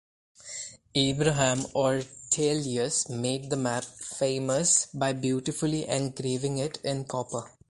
Abraham Ortelius made the map famous by beautifully engraving it in copper.